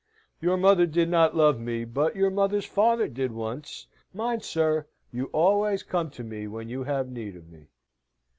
"Your mother did not love me, but your mother's father did once. Mind, sir, you always come to me when you have need of me."